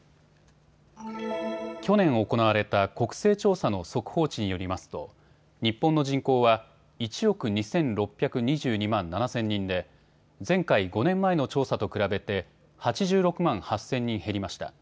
去年行われた国勢調査の速報値によりますと日本の人口は１億２６２２万７０００人で前回５年前の調査と比べて８６万８０００人減りました。